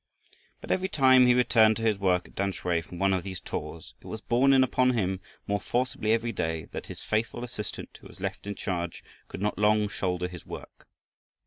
But every time he returned to his work at Tamsui from one of these tours, it was borne in upon him more forcibly every day that his faithful assistant who was left in charge, could not long shoulder his work.